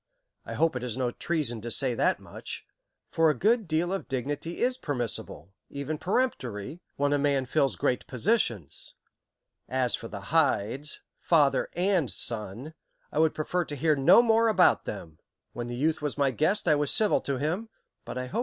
I hope it is no treason to say that much, for a good deal of dignity is permissible, even peremptory, when a man fills great positions. As for the Hydes, father and son, I would prefer to hear no more about them. When the youth was my guest, I was civil to him; but Arenta.